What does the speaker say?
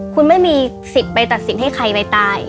คุณไม่มีสิทธิ์ไปตัดสินให้ใครไปตาย